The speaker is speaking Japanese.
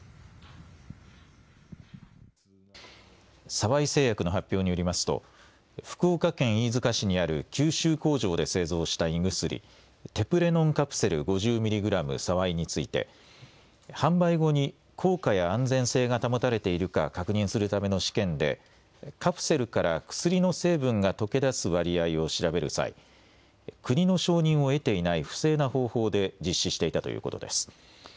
沢井製薬の発表によりますと福岡県飯塚市にある九州工場で製造した胃薬、テプレノンカプセル５０ｍｇサワイについて販売後に効果や安全性が保たれているか確認するための試験でカプセルから薬の成分が溶け出す割合を調べる際、国の承認を得ていない不正な方法で実施していたということです。